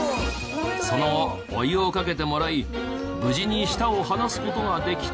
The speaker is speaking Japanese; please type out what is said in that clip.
その後お湯をかけてもらい無事に舌を離す事ができた。